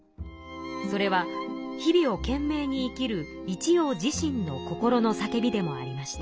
それは日々をけんめいに生きる一葉自身の心のさけびでもありました。